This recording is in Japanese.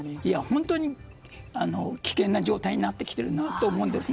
本当に危険な状態になってきているなと思います。